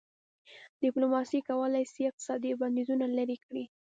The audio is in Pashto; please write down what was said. ډيپلوماسي کولای سي اقتصادي بندیزونه لېرې کړي.